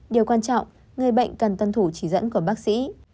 điều quan trọng người bệnh cần tuân thủ chỉ dẫn của bác sĩ